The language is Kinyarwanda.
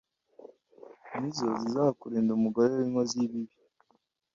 ni zo zizakurinda umugore w'inkozi y'ibibi